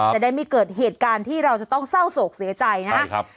จะได้ไม่เกิดเหตุการณ์ที่เราจะต้องเศร้าโศกเสียใจนะครับ